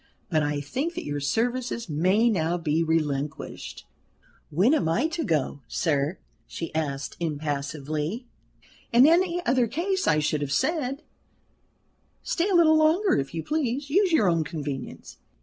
But I think that your services may now be relinquished." "When am I to go, sir?" she asked, impassively. "In any other case I should have said, 'Stay a little longer, if you please. Use your own convenience.'